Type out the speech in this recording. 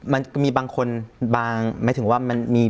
มันมีบางคนบางหมายถึงว่ามันมี